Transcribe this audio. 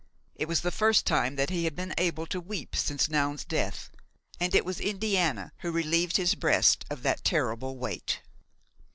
It was the first time that he had been able to weep since Noun's death, and it was Indiana who relieved his breast of that terrible weight.